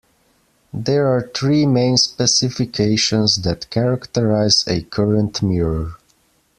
There are three main specifications that characterize a current mirror.